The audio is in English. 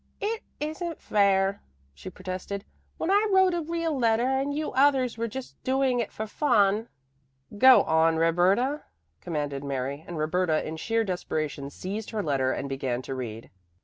"It isn't fair," she protested, "when I wrote a real letter and you others were just doing it for fun." "Go on, Roberta!" commanded Mary, and Roberta in sheer desperation seized her letter and began to read.